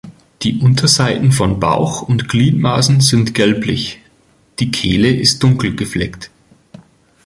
Die Unterseiten von Bauch und Gliedmaßen sind gelblich; die Kehle ist dunkel gefleckt.